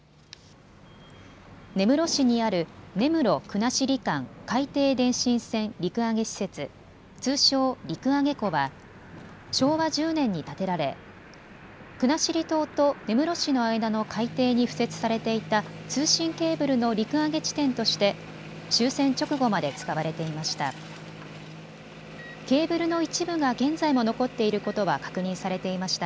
根室市にある根室国後間海底電信線陸揚施設・通称、陸揚庫は昭和１０年に建てられ国後島と根室市の間の海底に敷設されていた通信ケーブルの陸揚げ地点として終戦直後まで使われていました。